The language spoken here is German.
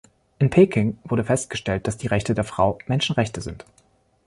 In Peking wurde festgestellt, dass die Rechte der Frau Menschenrechte sind.